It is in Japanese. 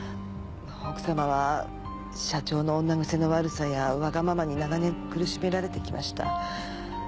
奥様は社長の女癖の悪さやわがままに長年苦しめられてきました。